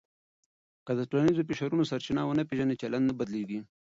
که د ټولنیزو فشارونو سرچینه ونه پېژنې، چلند نه بدلېږي.